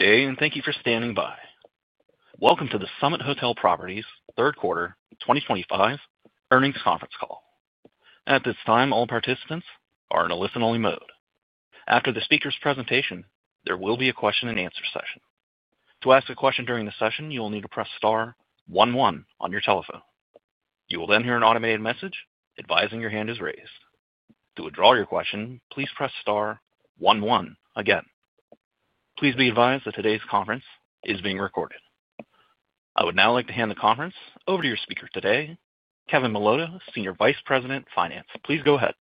Today, and thank you for standing by. Welcome to the Summit Hotel Properties, third quarter, 2025, earnings conference call. At this time, all participants are in a listen-only mode. After the speaker's presentation, there will be a question-and-answer session. To ask a question during the session, you will need to press star one one on your telephone. You will then hear an automated message advising your hand is raised. To withdraw your question, please press star one one again. Please be advised that today's conference is being recorded. I would now like to hand the conference over to your speaker today, Kevin Milota, Senior Vice President, Finance. Please go ahead.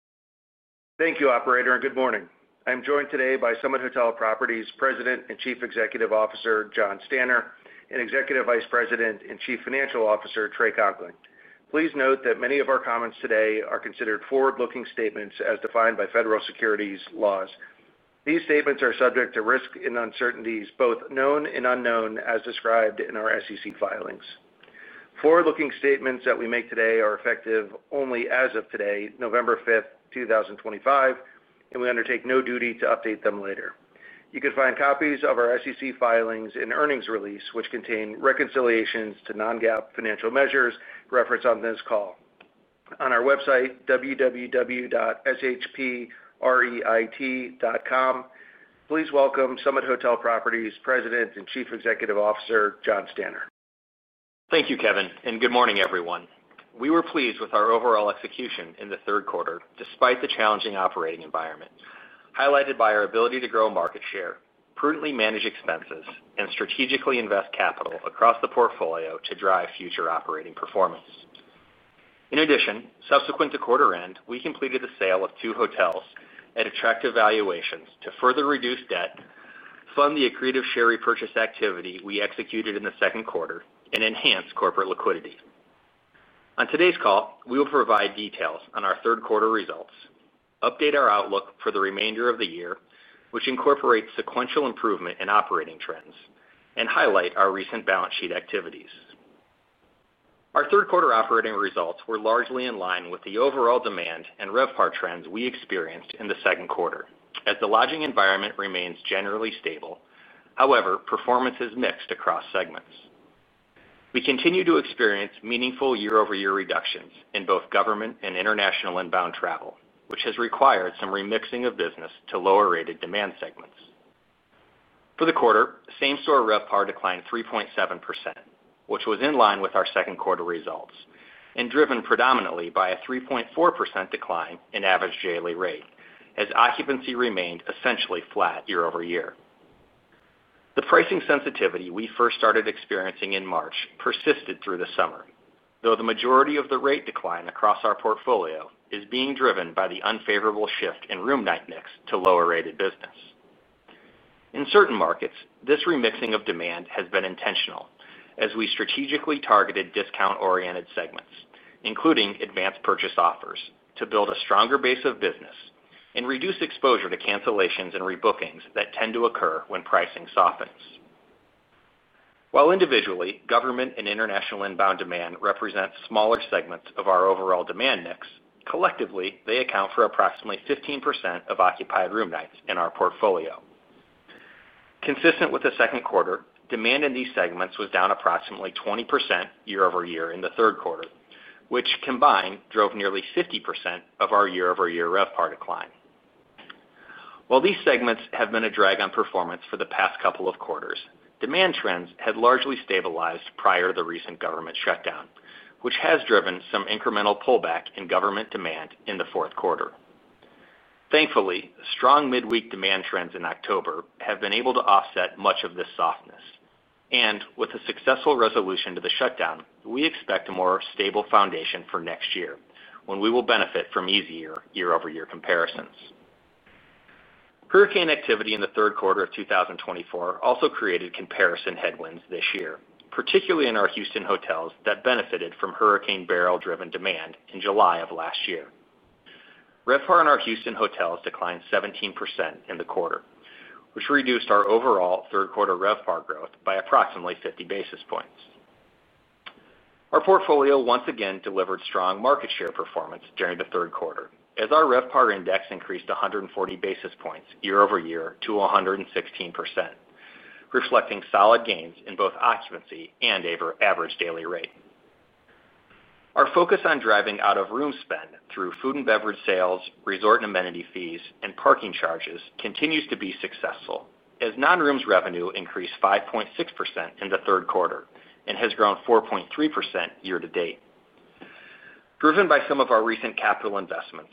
Thank you, Operator, and good morning. I am joined today by Summit Hotel Properties President and Chief Executive Officer John Stanner and Executive Vice President and Chief Financial Officer Trey Conkling. Please note that many of our comments today are considered forward-looking statements as defined by federal securities laws. These statements are subject to risk and uncertainties, both known and unknown, as described in our SEC filings. Forward-looking statements that we make today are effective only as of today, November 5th, 2025, and we undertake no duty to update them later. You can find copies of our SEC filings and earnings release, which contain reconciliations to non-GAAP financial measures referenced on this call, on our website, www.shpreit.com. Please welcome Summit Hotel Properties President and Chief Executive Officer John Stanner. Thank you, Kevin, and good morning, everyone. We were pleased with our overall execution in the third quarter despite the challenging operating environment, highlighted by our ability to grow market share, prudently manage expenses, and strategically invest capital across the portfolio to drive future operating performance. In addition, subsequent to quarter-end, we completed the sale of two hotels at attractive valuations to further reduce debt, fund the accretive share repurchase activity we executed in the second quarter, and enhance corporate liquidity. On today's call, we will provide details on our third quarter results, update our outlook for the remainder of the year, which incorporates sequential improvement in operating trends, and highlight our recent balance sheet activities. Our third quarter operating results were largely in line with the overall demand and RevPAR trends we experienced in the second quarter, as the lodging environment remains generally stable. However, performance is mixed across segments. We continue to experience meaningful year-over-year reductions in both government and international inbound travel, which has required some remixing of business to lower-rated demand segments. For the quarter, same-store RevPAR declined 3.7%, which was in line with our second quarter results and driven predominantly by a 3.4% decline in average daily rate, as occupancy remained essentially flat year-over-year. The pricing sensitivity we first started experiencing in March persisted through the summer, though the majority of the rate decline across our portfolio is being driven by the unfavorable shift in room night mix to lower-rated business. In certain markets, this remixing of demand has been intentional, as we strategically targeted discount-oriented segments, including advanced purchase offers, to build a stronger base of business and reduce exposure to cancellations and rebookings that tend to occur when pricing softens. While individually, government and international inbound demand represent smaller segments of our overall demand mix, collectively, they account for approximately 15% of occupied room nights in our portfolio. Consistent with the second quarter, demand in these segments was down approximately 20% year-over-year in the third quarter, which combined drove nearly 50% of our year-over-year RevPAR decline. While these segments have been a drag on performance for the past couple of quarters, demand trends had largely stabilized prior to the recent government shutdown, which has driven some incremental pullback in government demand in the fourth quarter. Thankfully, strong mid-week demand trends in October have been able to offset much of this softness, and with the successful resolution to the shutdown, we expect a more stable foundation for next year when we will benefit from easier year-over-year comparisons. Hurricane activity in the third quarter of 2024 also created comparison headwinds this year, particularly in our Houston hotels that benefited from hurricane-barrel-driven demand in July of last year. RevPAR in our Houston hotels declined 17% in the quarter, which reduced our overall third-quarter RevPAR growth by approximately 50 basis points. Our portfolio once again delivered strong market share performance during the third quarter, as our RevPAR index increased 140 basis points year-over-year to 116%, reflecting solid gains in both occupancy and average daily rate. Our focus on driving out-of-room spend through food and beverage sales, resort and amenity fees, and parking charges continues to be successful, as non-rooms revenue increased 5.6% in the third quarter and has grown 4.3% year to date. Driven by some of our recent capital investments,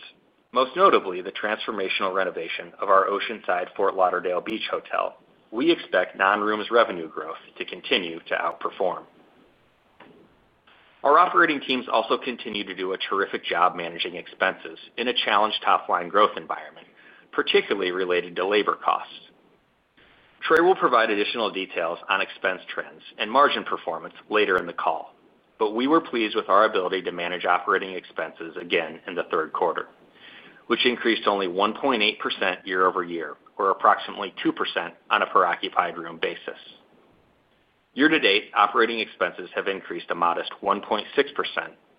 most notably the transformational renovation of our Oceanside Fort Lauderdale Beach Hotel, we expect non-rooms revenue growth to continue to outperform. Our operating teams also continue to do a terrific job managing expenses in a challenged top-line growth environment, particularly related to labor costs. Trey will provide additional details on expense trends and margin performance later in the call, but we were pleased with our ability to manage operating expenses again in the third quarter, which increased only 1.8% year-over-year, or approximately 2% on a per-occupied room basis. Year to date, operating expenses have increased a modest 1.6%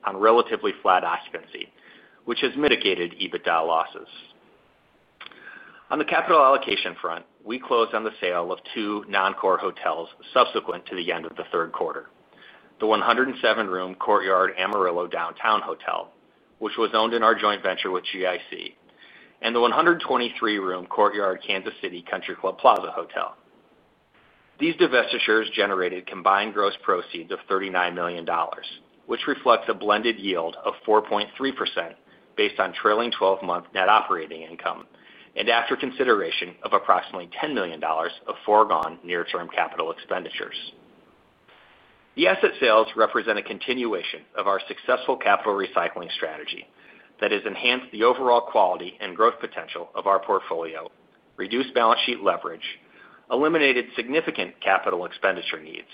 on relatively flat occupancy, which has mitigated EBITDA losses. On the capital allocation front, we closed on the sale of two non-core hotels subsequent to the end of the third quarter: the 107-room Courtyard Amarillo Downtown Hotel, which was owned in our joint venture with GIC, and the 123-room Courtyard Kansas City Country Club Plaza Hotel. These divestitures generated combined gross proceeds of $39 million, which reflects a blended yield of 4.3% based on trailing 12-month net operating income and after consideration of approximately $10 million of foregone near-term capital expenditures. The asset sales represent a continuation of our successful capital recycling strategy that has enhanced the overall quality and growth potential of our portfolio, reduced balance sheet leverage, eliminated significant capital expenditure needs,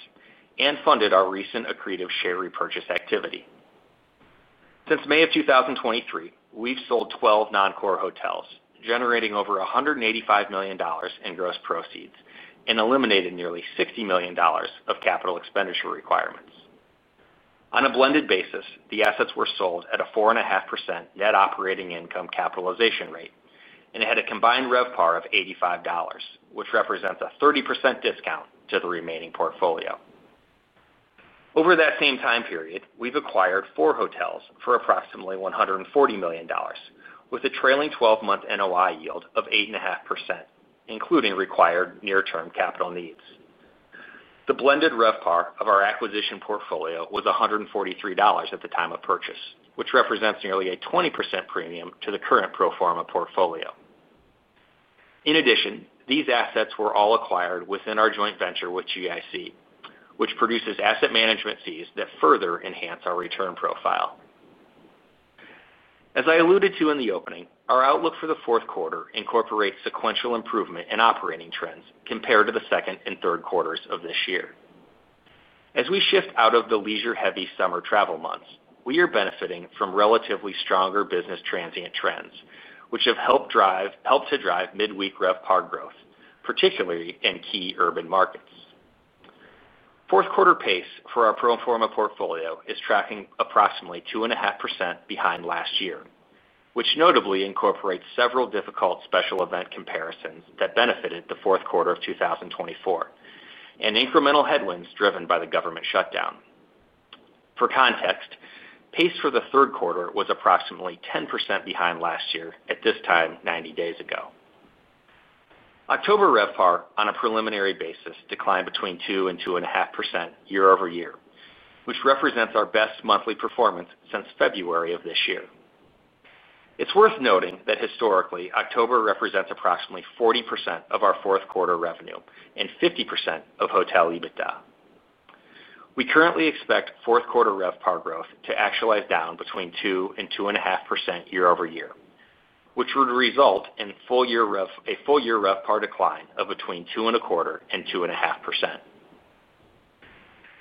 and funded our recent accretive share repurchase activity. Since May of 2023, we've sold 12 non-core hotels, generating over $185 million in gross proceeds and eliminated nearly $60 million of capital expenditure requirements. On a blended basis, the assets were sold at a 4.5% net operating income capitalization rate, and it had a combined RevPAR of $85, which represents a 30% discount to the remaining portfolio. Over that same time period, we've acquired four hotels for approximately $140 million, with a trailing 12-month NOI yield of 8.5%, including required near-term capital needs. The blended RevPAR of our acquisition portfolio was $143 at the time of purchase, which represents nearly a 20% premium to the current pro forma portfolio. In addition, these assets were all acquired within our joint venture with GIC, which produces asset management fees that further enhance our return profile. As I alluded to in the opening, our outlook for the fourth quarter incorporates sequential improvement in operating trends compared to the second and third quarters of this year. As we shift out of the leisure-heavy summer travel months, we are benefiting from relatively stronger business transient trends, which have helped drive mid-week RevPAR growth, particularly in key urban markets. Fourth-quarter pace for our pro forma portfolio is tracking approximately 2.5% behind last year, which notably incorporates several difficult special event comparisons that benefited the fourth quarter of 2024 and incremental headwinds driven by the government shutdown. For context, pace for the third quarter was approximately 10% behind last year at this time 90 days ago. October RevPAR, on a preliminary basis, declined between 2%-2.5% year-over-year, which represents our best monthly performance since February of this year. It's worth noting that historically, October represents approximately 40% of our fourth-quarter revenue and 50% of hotel EBITDA. We currently expect fourth-quarter RevPAR growth to actualize down between 2% and 2.5% year-over-year, which would result in a full-year RevPAR decline of between 2.25% and 2.5%.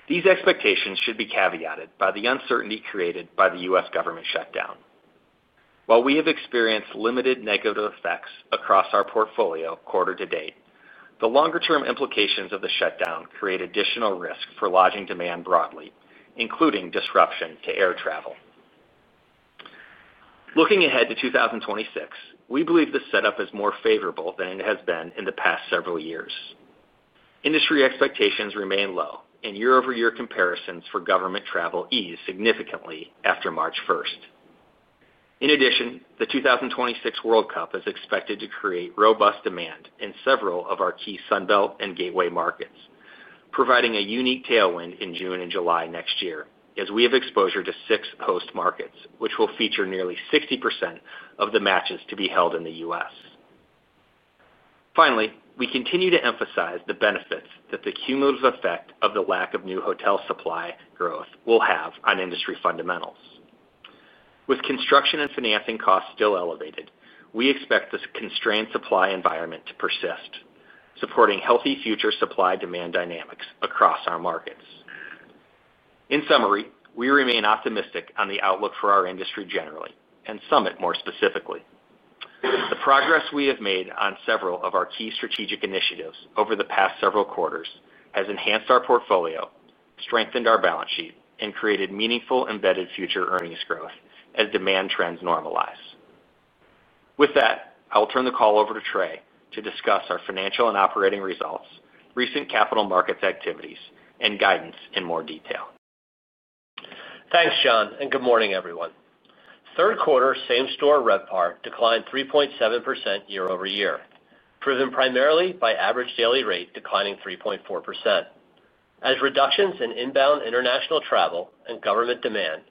These expectations should be caveated by the uncertainty created by the U.S. government shutdown. While we have experienced limited negative effects across our portfolio quarter to date, the longer-term implications of the shutdown create additional risk for lodging demand broadly, including disruption to air travel. Looking ahead to 2026, we believe the setup is more favorable than it has been in the past several years. Industry expectations remain low, and year-over-year comparisons for government travel ease significantly after March 1. In addition, the 2026 World Cup is expected to create robust demand in several of our key Sunbelt and Gateway markets, providing a unique tailwind in June and July next year, as we have exposure to six host markets, which will feature nearly 60% of the matches to be held in the U.S. Finally, we continue to emphasize the benefits that the cumulative effect of the lack of new hotel supply growth will have on industry fundamentals. With construction and financing costs still elevated, we expect this constrained supply environment to persist, supporting healthy future supply-demand dynamics across our markets. In summary, we remain optimistic on the outlook for our industry generally and Summit more specifically. The progress we have made on several of our key strategic initiatives over the past several quarters has enhanced our portfolio, strengthened our balance sheet, and created meaningful embedded future earnings growth as demand trends normalize. With that, I will turn the call over to Trey to discuss our financial and operating results, recent capital markets activities, and guidance in more detail. Thanks, John, and good morning, everyone. Third quarter same-store RevPAR declined 3.7% year-over-year, driven primarily by average daily rate declining 3.4%, as reductions in inbound international travel and government demand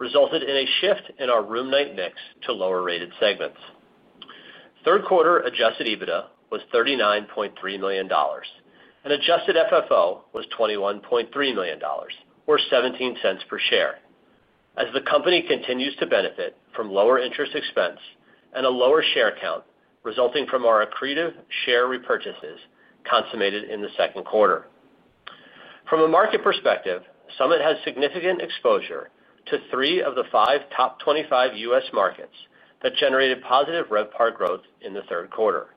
resulted in a shift in our room night mix to lower-rated segments. Third quarter Adjusted EBITDA was $39.3 million, and adjusted FFO was $21.3 million, or $0.17 per share, as the company continues to benefit from lower interest expense and a lower share count resulting from our accretive share repurchases consummated in the second quarter. From a market perspective, Summit has significant exposure to three of the five top 25 U.S. markets that generated positive RevPAR growth in the third quarter: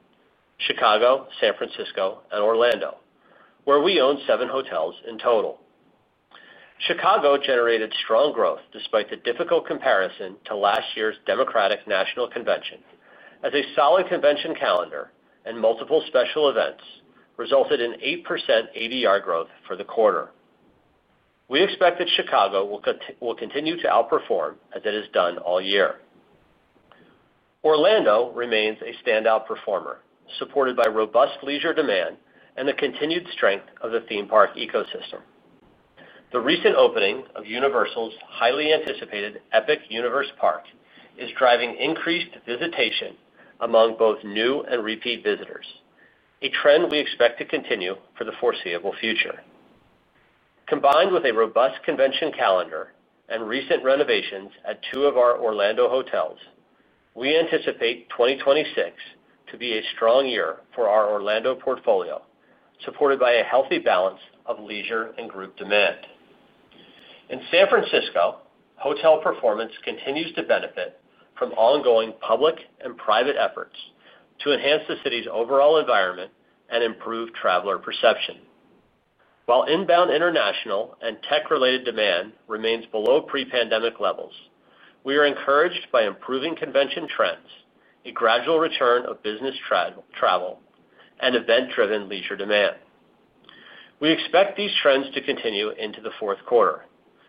Chicago, San Francisco, and Orlando, where we own seven hotels in total. Chicago generated strong growth despite the difficult comparison to last year's Democratic National Convention, as a solid convention calendar and multiple special events resulted in 8% ADR growth for the quarter. We expect that Chicago will continue to outperform as it has done all year. Orlando remains a standout performer, supported by robust leisure demand and the continued strength of the theme park ecosystem. The recent opening of Universal's highly anticipated Epic Universe Park is driving increased visitation among both new and repeat visitors, a trend we expect to continue for the foreseeable future. Combined with a robust convention calendar and recent renovations at two of our Orlando hotels, we anticipate 2026 to be a strong year for our Orlando portfolio, supported by a healthy balance of leisure and group demand. In San Francisco, hotel performance continues to benefit from ongoing public and private efforts to enhance the city's overall environment and improve traveler perception. While inbound international and tech-related demand remains below pre-pandemic levels, we are encouraged by improving convention trends, a gradual return of business travel, and event-driven leisure demand. We expect these trends to continue into the fourth quarter,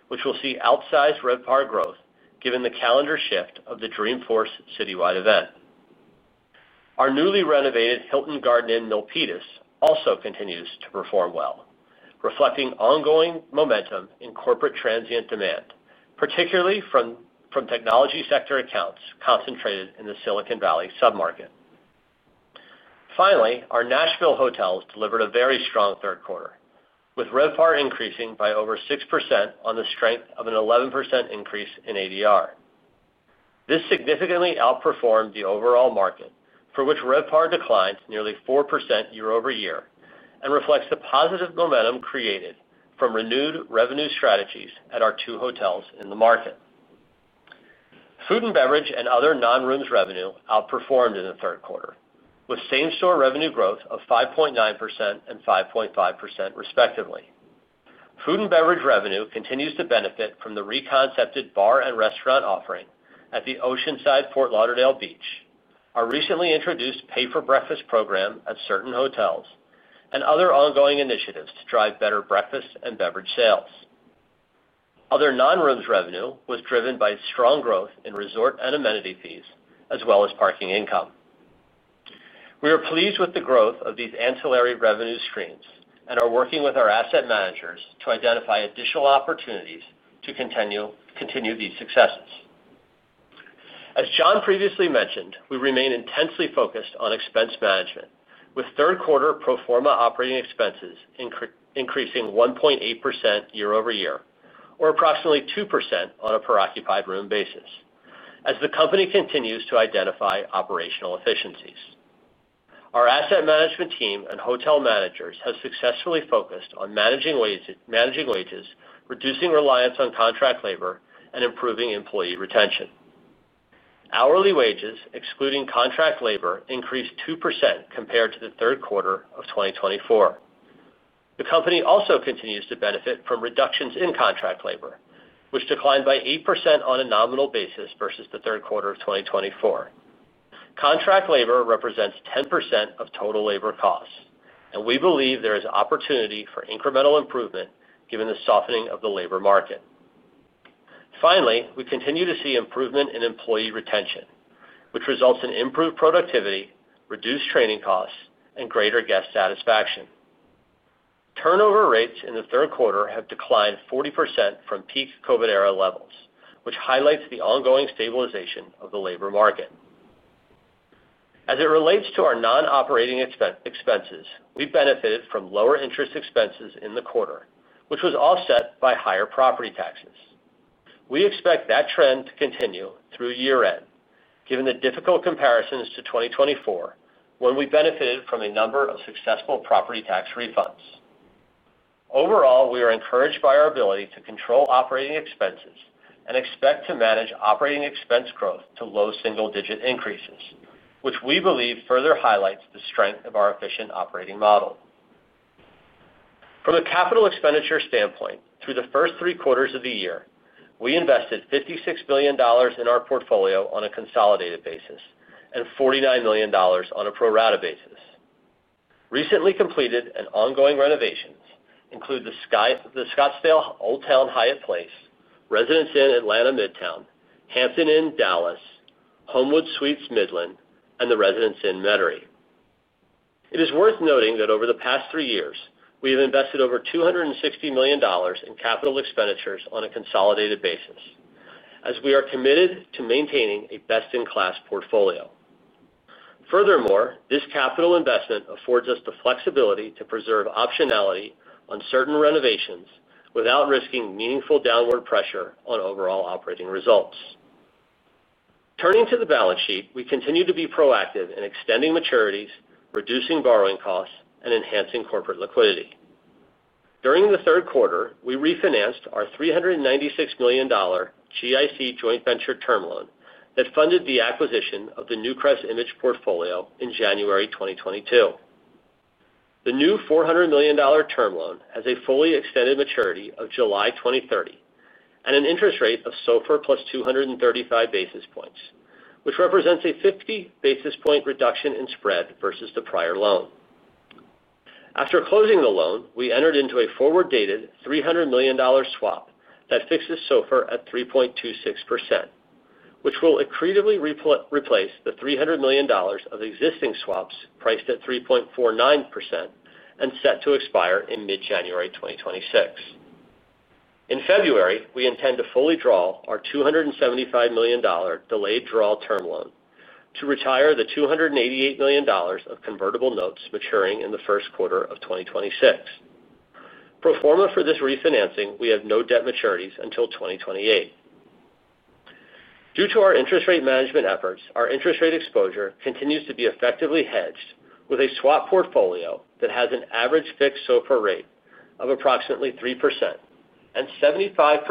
which will see outsized RevPAR growth given the calendar shift of the Dreamforce Citywide event. Our newly renovated Hilton Garden Inn Milpitas also continues to perform well, reflecting ongoing momentum in corporate transient demand, particularly from technology sector accounts concentrated in the Silicon Valley submarket. Finally, our Nashville hotels delivered a very strong third quarter, with RevPAR increasing by over 6% on the strength of an 11% increase in ADR. This significantly outperformed the overall market, for which RevPAR declined nearly 4% year-over-year, and reflects the positive momentum created from renewed revenue strategies at our two hotels in the market. Food and beverage and other non-rooms revenue outperformed in the third quarter, with same-store revenue growth of 5.9% and 5.5%, respectively. Food and beverage revenue continues to benefit from the reconcepted bar and restaurant offering at the Oceanside Fort Lauderdale Beach, our recently introduced pay-for-breakfast program at certain hotels, and other ongoing initiatives to drive better breakfast and beverage sales. Other non-rooms revenue was driven by strong growth in resort and amenity fees, as well as parking income. We are pleased with the growth of these ancillary revenue streams and are working with our asset managers to identify additional opportunities to continue these successes. As John previously mentioned, we remain intensely focused on expense management, with third-quarter pro forma operating expenses increasing 1.8% year-over-year, or approximately 2% on a per-occupied room basis, as the company continues to identify operational efficiencies. Our asset management team and hotel managers have successfully focused on managing wages, reducing reliance on contract labor, and improving employee retention. Hourly wages, excluding contract labor, increased 2% compared to the third quarter of 2024. The company also continues to benefit from reductions in contract labor, which declined by 8% on a nominal basis versus the third quarter of 2024. Contract labor represents 10% of total labor costs, and we believe there is opportunity for incremental improvement given the softening of the labor market. Finally, we continue to see improvement in employee retention, which results in improved productivity, reduced training costs, and greater guest satisfaction. Turnover rates in the third quarter have declined 40% from peak COVID-era levels, which highlights the ongoing stabilization of the labor market. As it relates to our non-operating expenses, we benefited from lower interest expenses in the quarter, which was offset by higher property taxes. We expect that trend to continue through year-end, given the difficult comparisons to 2024, when we benefited from a number of successful property tax refunds. Overall, we are encouraged by our ability to control operating expenses and expect to manage operating expense growth to low single-digit increases, which we believe further highlights the strength of our efficient operating model. From a capital expenditure standpoint, through the first three quarters of the year, we invested $56 million in our portfolio on a consolidated basis and $49 million on a pro rata basis. Recently completed and ongoing renovations include the Hyatt Place Scottsdale Old Town, Residence Inn Atlanta Midtown, Hampton Inn Dallas, Homewood Suites Midland, and the Residence Inn Metairie. It is worth noting that over the past three years, we have invested over $260 million in capital expenditures on a consolidated basis, as we are committed to maintaining a best-in-class portfolio. Furthermore, this capital investment affords us the flexibility to preserve optionality on certain renovations without risking meaningful downward pressure on overall operating results. Turning to the balance sheet, we continue to be proactive in extending maturities, reducing borrowing costs, and enhancing corporate liquidity. During the third quarter, we refinanced our $396 million. GIC Joint Venture term loan that funded the acquisition of the Newcrest Image portfolio in January 2022. The new $400 million term loan has a fully extended maturity of July 2030 and an interest rate of SOFR plus 235 basis points, which represents a 50 basis point reduction in spread versus the prior loan. After closing the loan, we entered into a forward-dated $300 million swap that fixes SOFR at 3.26%, which will accretively replace the $300 million of existing swaps priced at 3.49% and set to expire in mid-January 2026. In February, we intend to fully draw our $275 million delayed draw term loan to retire the $288 million of convertible notes maturing in the first quarter of 2026. Pro forma for this refinancing, we have no debt maturities until 2028. Due to our interest rate management efforts, our interest rate exposure continues to be effectively hedged with a swap portfolio that has an average fixed SOFR rate of approximately 3%, and 75%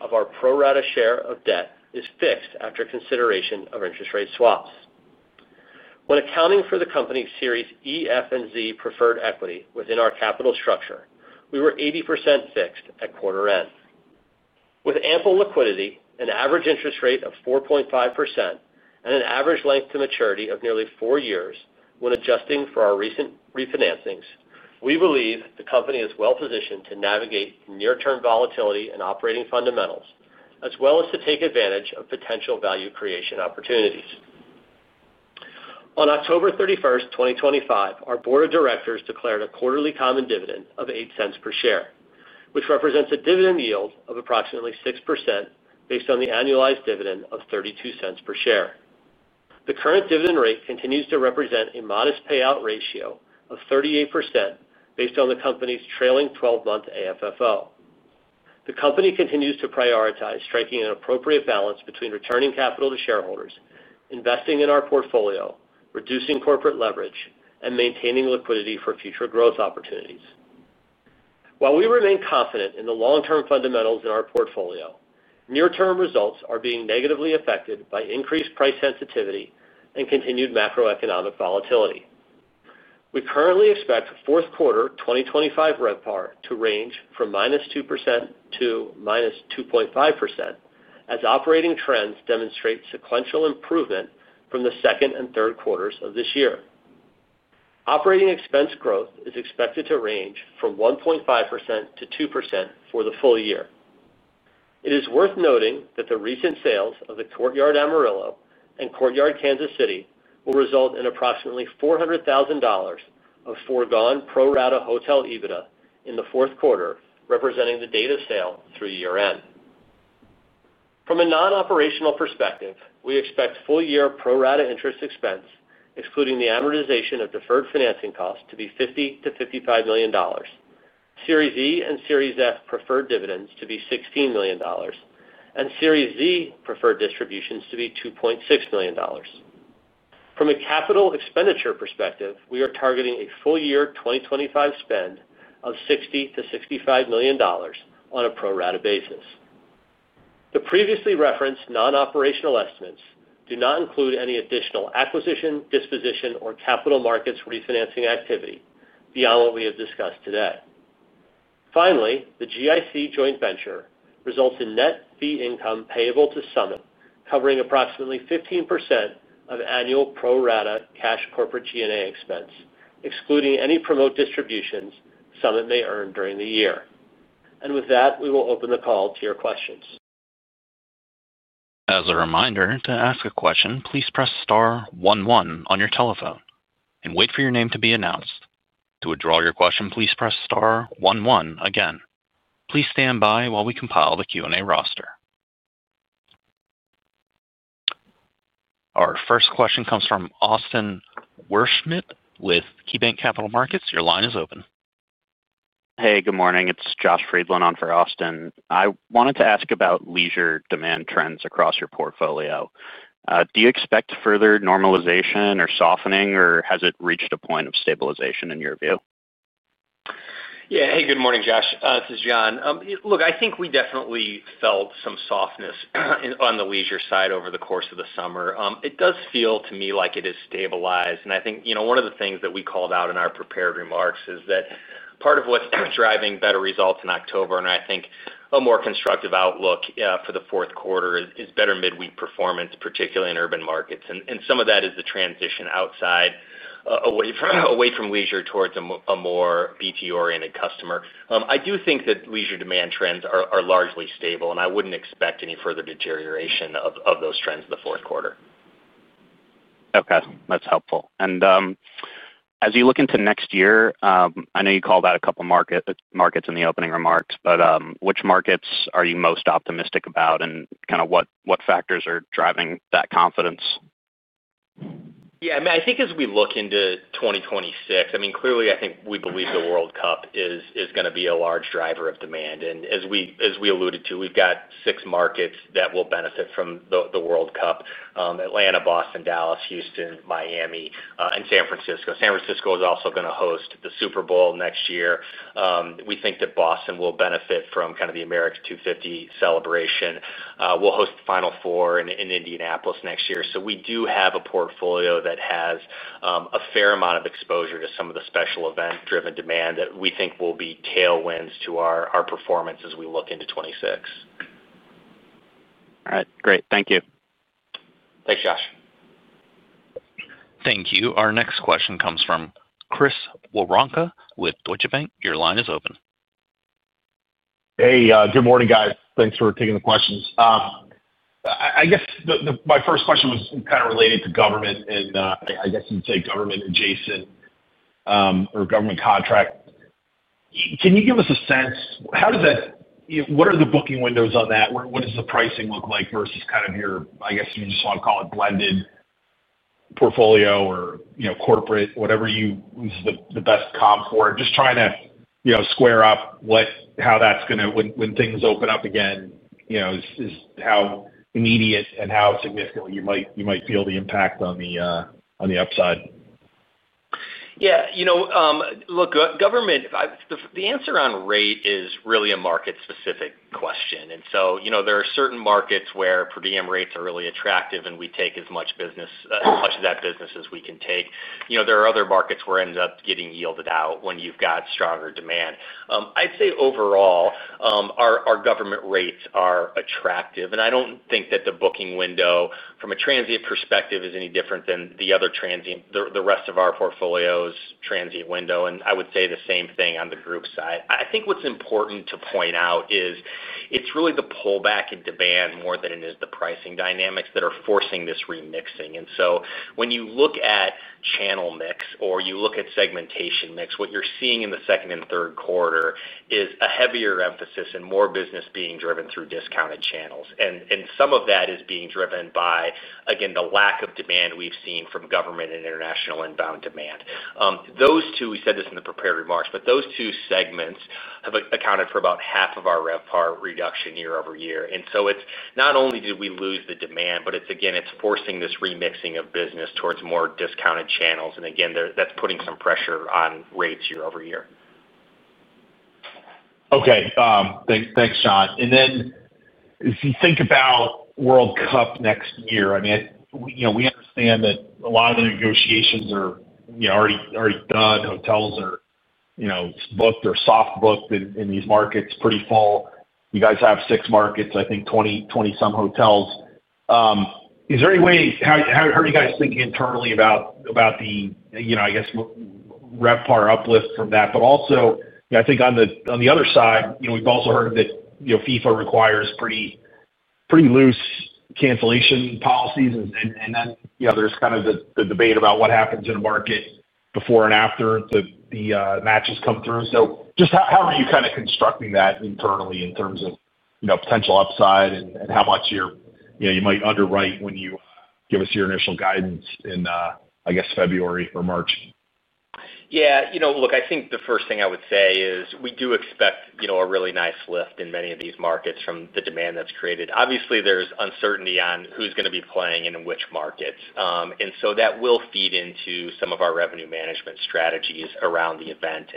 of our pro rata share of debt is fixed after consideration of interest rate swaps. When accounting for the company's Series E, F, and Z preferred equity within our capital structure, we were 80% fixed at quarter end. With ample liquidity, an average interest rate of 4.5%, and an average length to maturity of nearly four years when adjusting for our recent refinancings, we believe the company is well positioned to navigate near-term volatility and operating fundamentals, as well as to take advantage of potential value creation opportunities. On October 31st, 2025, our Board of Directors declared a quarterly common dividend of $0.08 per share, which represents a dividend yield of approximately 6% based on the annualized dividend of $0.32 per share. The current dividend rate continues to represent a modest payout ratio of 38% based on the company's trailing 12-month AFFO. The company continues to prioritize striking an appropriate balance between returning capital to shareholders, investing in our portfolio, reducing corporate leverage, and maintaining liquidity for future growth opportunities. While we remain confident in the long-term fundamentals in our portfolio, near-term results are being negatively affected by increased price sensitivity and continued macroeconomic volatility. We currently expect the fourth quarter 2025 RevPAR to range from -2% to -2.5%, as operating trends demonstrate sequential improvement from the second and third quarters of this year. Operating expense growth is expected to range from 1.5% to 2% for the full year. It is worth noting that the recent sales of the Courtyard Amarillo and Courtyard Kansas City will result in approximately $400,000 of foregone pro rata hotel EBITDA in the fourth quarter, representing the date of sale through year-end. From a non-operational perspective, we expect full-year pro rata interest expense, excluding the amortization of deferred financing costs, to be $50-$55 million, Series E and Series F preferred dividends to be $16 million, and Series Z preferred distributions to be $2.6 million. From a capital expenditure perspective, we are targeting a full-year 2025 spend of $60-$65 million on a pro rata basis. The previously referenced non-operational estimates do not include any additional acquisition, disposition, or capital markets refinancing activity beyond what we have discussed today. Finally, the GIC Joint Venture results in net fee income payable to Summit, covering approximately 15% of annual pro rata cash corporate G&A expense, excluding any promote distributions Summit may earn during the year. With that, we will open the call to your questions. As a reminder, to ask a question, please press star one one on your telephone and wait for your name to be announced. To withdraw your question, please press star one one again. Please stand by while we compile the Q&A roster. Our first question comes from Austin Wurschmidt with KeyBank Capital Markets. Your line is open. Hey, good morning. It's Josh Friedlin on for Austin. I wanted to ask about leisure demand trends across your portfolio. Do you expect further normalization or softening, or has it reached a point of stabilization in your view? Yeah. Hey, good morning, Josh. This is John. Look, I think we definitely felt some softness on the leisure side over the course of the summer. It does feel to me like it has stabilized. I think one of the things that we called out in our prepared remarks is that part of what is driving better results in October and I think a more constructive outlook for the fourth quarter is better midweek performance, particularly in urban markets. Some of that is the transition outside, away from leisure, towards a more BT-oriented customer. I do think that leisure demand trends are largely stable, and I would not expect any further deterioration of those trends in the fourth quarter. Okay. That is helpful. And. As you look into next year, I know you called out a couple of markets in the opening remarks, but which markets are you most optimistic about and kind of what factors are driving that confidence? Yeah. I mean, I think as we look into 2026, I mean, clearly, I think we believe the World Cup is going to be a large driver of demand. And as we alluded to, we've got six markets that will benefit from the World Cup: Atlanta, Boston, Dallas, Houston, Miami, and San Francisco. San Francisco is also going to host the Super Bowl next year. We think that Boston will benefit from kind of the America 250 celebration. We'll host the Final Four in Indianapolis next year. So we do have a portfolio that has a fair amount of exposure to some of the special event-driven demand that we think will be tailwinds to our performance as we look into 2026. All right. Great. Thank you. Thanks, Josh. Thank you. Our next question comes from Chris Woronka with Deutsche Bank. Your line is open. Hey, good morning, guys. Thanks for taking the questions. I guess my first question was kind of related to government, and I guess you'd say government-adjacent. Or government contract. Can you give us a sense? What are the booking windows on that? What does the pricing look like versus kind of your, I guess you just want to call it blended. Portfolio or corporate, whatever you use the best comp for? Just trying to square up how that's going to, when things open up again. Is how immediate and how significantly you might feel the impact on the upside. Yeah. Look, government. The answer on rate is really a market-specific question. There are certain markets where per diem rates are really attractive, and we take as much business, as much of that business as we can take. There are other markets where it ends up getting yielded out when you have got stronger demand. I would say overall our government rates are attractive. I do not think that the booking window, from a transient perspective, is any different than the rest of our portfolio's transient window. I would say the same thing on the group side. I think what is important to point out is it is really the pullback in demand more than it is the pricing dynamics that are forcing this remixing. When you look at channel mix or you look at segmentation mix, what you're seeing in the second and third quarter is a heavier emphasis and more business being driven through discounted channels. Some of that is being driven by, again, the lack of demand we've seen from government and international inbound demand. Those two, we said this in the prepared remarks, but those two segments have accounted for about half of our RevPAR reduction year-over-year. It's not only did we lose the demand, but it's, again, it's forcing this remixing of business towards more discounted channels. Again, that's putting some pressure on rates year-over-year. Okay. Thanks, John. If you think about World Cup next year, I mean, we understand that a lot of the negotiations are already done. Hotels are. Booked or soft-booked in these markets pretty full. You guys have six markets, I think, 20-some hotels. Is there any way? How are you guys thinking internally about the, I guess. RevPAR uplift from that? Also, I think on the other side, we've also heard that FIFA requires pretty loose cancellation policies. Then there's kind of the debate about what happens in a market before and after the matches come through. Just how are you kind of constructing that internally in terms of potential upside and how much you might underwrite when you give us your initial guidance in, I guess, February or March? Yeah. Look, I think the first thing I would say is we do expect a really nice lift in many of these markets from the demand that's created. Obviously, there's uncertainty on who's going to be playing and in which markets. That will feed into some of our revenue management strategies around the event.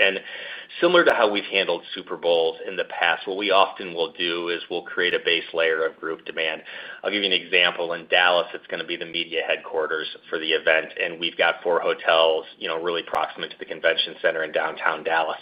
Similar to how we have handled Super Bowls in the past, what we often will do is create a base layer of group demand. I'll give you an example. In Dallas, it is going to be the media headquarters for the event, and we have four hotels really proximate to the convention center in downtown Dallas.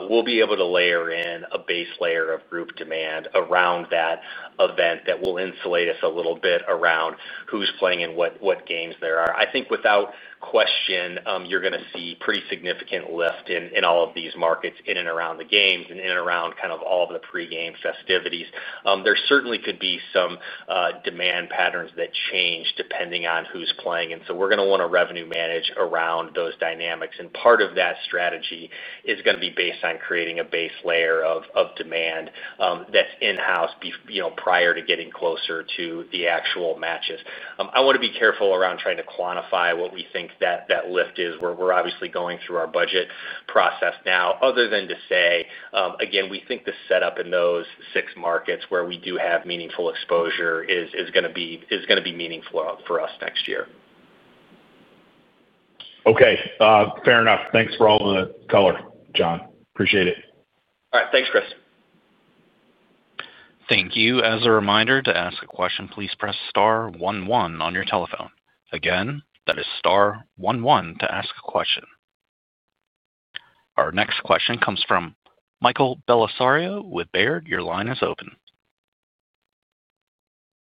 We will be able to layer in a base layer of group demand around that event that will insulate us a little bit around who is playing and what games there are. I think without question, you are going to see pretty significant lift in all of these markets in and around the games and in and around all of the pre-game festivities. There certainly could be some demand patterns that change depending on who is playing. We're going to want to revenue manage around those dynamics. Part of that strategy is going to be based on creating a base layer of demand that's in-house prior to getting closer to the actual matches. I want to be careful around trying to quantify what we think that lift is. We're obviously going through our budget process now, other than to say, again, we think the setup in those six markets where we do have meaningful exposure is going to be meaningful for us next year. Okay. Fair enough. Thanks for all the color, John. Appreciate it. All right. Thanks, Chris. Thank you. As a reminder, to ask a question, please press star one one on your telephone. Again, that is star one one to ask a question. Our next question comes from Michael Bellisario with Baird. Your line is open.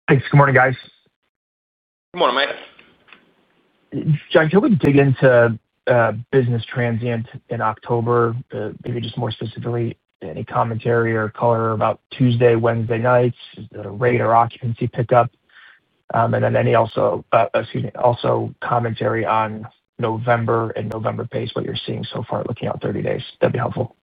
Thanks. Good morning, guys. Good morning, Mike. John, can we dig into business transient in October? Maybe just more specifically, any commentary or color about Tuesday, Wednesday nights, the rate or occupancy pickup? And then also—excuse me—also commentary on November and November pace, what you're seeing so far, looking out 30 days. That'd be helpful.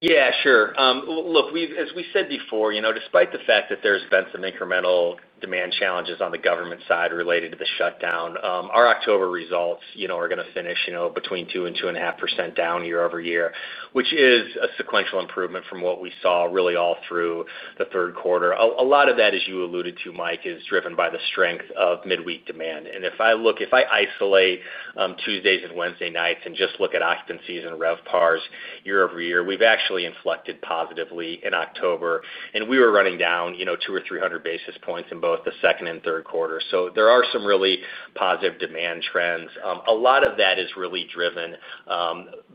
Yeah, sure. Look, as we said before, despite the fact that there's been some incremental demand challenges on the government side related to the shutdown, our October results are going to finish between 2% and 2.5% down year-over-year, which is a sequential improvement from what we saw really all through the third quarter. A lot of that, as you alluded to, Mike, is driven by the strength of midweek demand. And if I look, if I isolate Tuesdays and Wednesday nights and just look at occupancies and RevPARs year-over-year, we've actually inflected positively in October. We were running down 200 or 300 basis points in both the second and third quarter. There are some really positive demand trends. A lot of that is really driven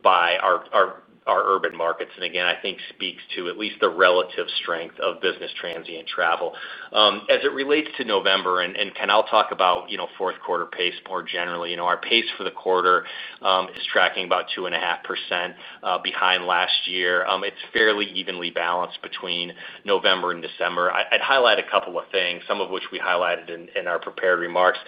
by our urban markets. I think it speaks to at least the relative strength of business transient travel. As it relates to November, and Ken, I'll talk about fourth quarter pace more generally. Our pace for the quarter is tracking about 2.5% behind last year. It's fairly evenly balanced between November and December. I'd highlight a couple of things, some of which we highlighted in our prepared remarks.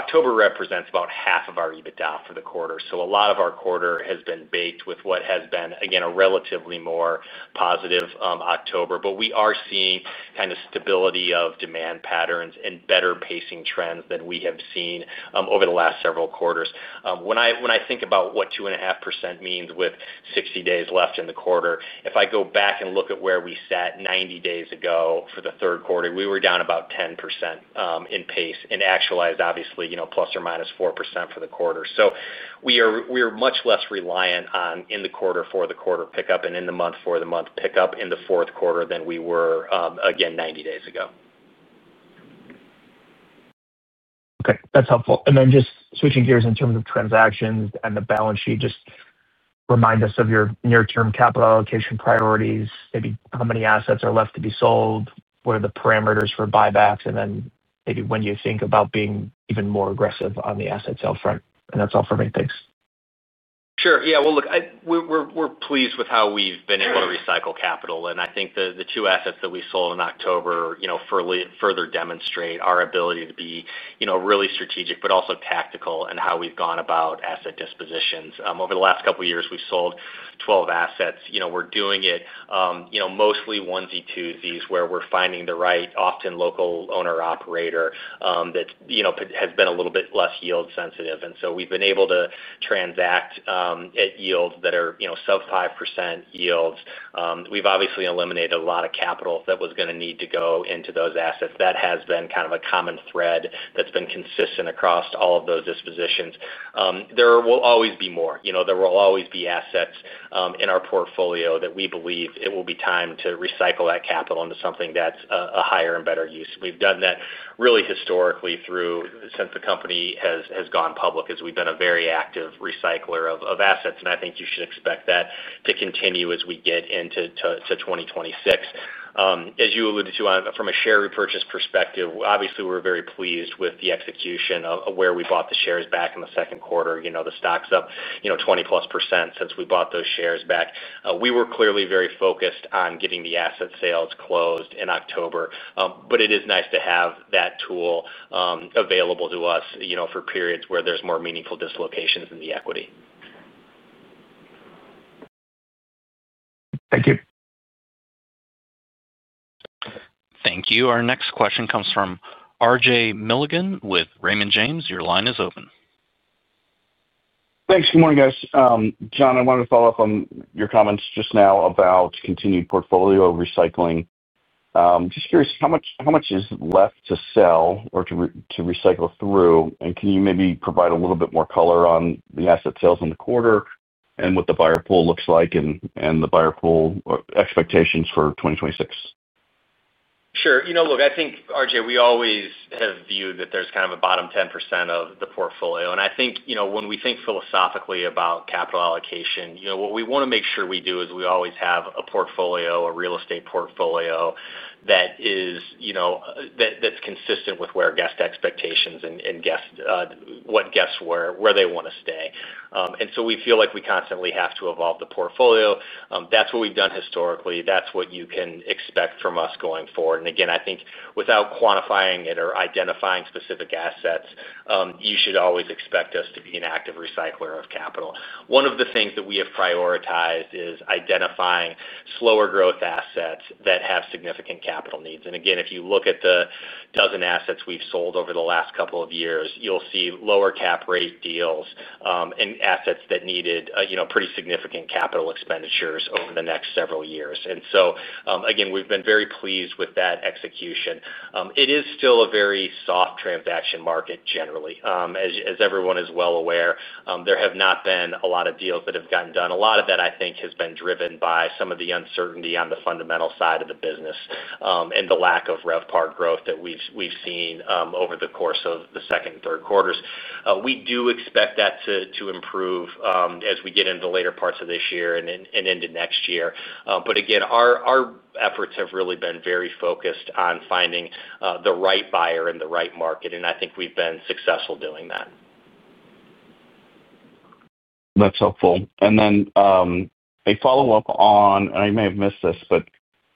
October represents about half of our EBITDA for the quarter. A lot of our quarter has been baked with what has been, again, a relatively more positive October. We are seeing kind of stability of demand patterns and better pacing trends than we have seen over the last several quarters. When I think about what 2.5% means with 60 days left in the quarter, if I go back and look at where we sat 90 days ago for the third quarter, we were down about 10% in pace and actualized, obviously, plus or minus 4% for the quarter. We are much less reliant on in the quarter for the quarter pickup and in the month for the month pickup in the fourth quarter than we were, again, 90 days ago. Okay. That's helpful. Just switching gears in terms of transactions and the balance sheet, just remind us of your near-term capital allocation priorities, maybe how many assets are left to be sold, what are the parameters for buybacks, and then maybe when you think about being even more aggressive on the asset sale front. That's all for me. Thanks. Sure. Yeah. Look, we're pleased with how we've been able to recycle capital. I think the two assets that we sold in October further demonstrate our ability to be really strategic, but also tactical, in how we've gone about asset dispositions. Over the last couple of years, we've sold 12 assets. We're doing it mostly onesie-twosies where we're finding the right, often local owner-operator that has been a little bit less yield-sensitive. We've been able to transact at yields that are sub-5% yields. We've obviously eliminated a lot of capital that was going to need to go into those assets. That has been kind of a common thread that's been consistent across all of those dispositions. There will always be more. There will always be assets in our portfolio that we believe it will be time to recycle that capital into something that's a higher and better use. We've done that really historically since the company has gone public, as we've been a very active recycler of assets. I think you should expect that to continue as we get into 2026. As you alluded to, from a share repurchase perspective, obviously, we're very pleased with the execution of where we bought the shares back in the second quarter. The stock's up 20+% since we bought those shares back. We were clearly very focused on getting the asset sales closed in October. But it is nice to have that tool available to us for periods where there's more meaningful dislocations in the equity. Thank you. Thank you. Our next question comes from RJ Milligan with Raymond James. Your line is open. Thanks. Good morning, guys. John, I wanted to follow up on your comments just now about continued portfolio recycling. Just curious, how much is left to sell or to recycle through? And can you maybe provide a little bit more color on the asset sales in the quarter and what the buyer pool looks like and the buyer pool expectations for 2026? Sure. Look, I think, RJ, we always have viewed that there's kind of a bottom 10% of the portfolio. And I think when we think philosophically about capital allocation, what we want to make sure we do is we always have a portfolio, a real estate portfolio that. Is consistent with where guest expectations and what guests were, where they want to stay. We feel like we constantly have to evolve the portfolio. That is what we have done historically. That is what you can expect from us going forward. I think without quantifying it or identifying specific assets, you should always expect us to be an active recycler of capital. One of the things that we have prioritized is identifying slower growth assets that have significant capital needs. If you look at the dozen assets we have sold over the last couple of years, you will see lower cap rate deals and assets that needed pretty significant capital expenditures over the next several years. We have been very pleased with that execution. It is still a very soft transaction market, generally. As everyone is well aware, there have not been a lot of deals that have gotten done. A lot of that, I think, has been driven by some of the uncertainty on the fundamental side of the business. The lack of RevPAR growth that we've seen over the course of the second and third quarters. We do expect that to improve as we get into the later parts of this year and into next year. Again, our efforts have really been very focused on finding the right buyer in the right market. I think we've been successful doing that. That's helpful. A follow-up on, and I may have missed this, but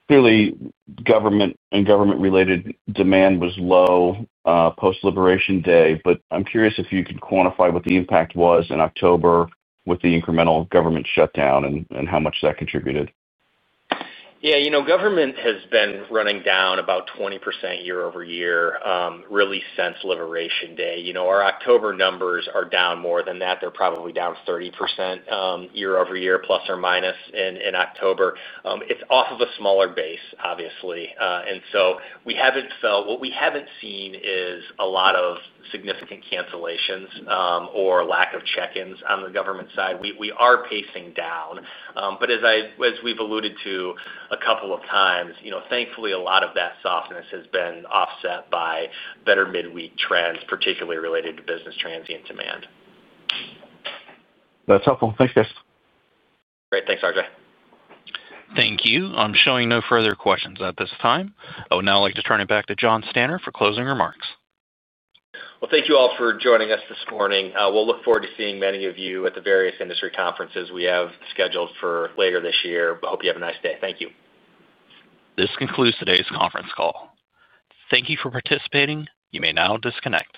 clearly, government and government-related demand was low post-Liberation Day. I'm curious if you could quantify what the impact was in October with the incremental government shutdown and how much that contributed. Yeah. Government has been running down about 20% year-over-year really since Liberation Day. Our October numbers are down more than that. They're probably down 30% year-over-year, plus or minus in October. It's off of a smaller base, obviously. What we haven't seen is a lot of significant cancellations or lack of check-ins on the government side. We are pacing down. As we've alluded to a couple of times, thankfully, a lot of that softness has been offset by better midweek trends, particularly related to business transient demand. That's helpful. Thanks guys. Great. Thanks, RJ. Thank you. I'm showing no further questions at this time. I'd like to turn it back to John Stanner for closing remarks. Thank you all for joining us this morning. We'll look forward to seeing many of you at the various industry conferences we have scheduled for later this year. Hope you have a nice day. Thank you. This concludes today's conference call. Thank you for participating. You may now disconnect.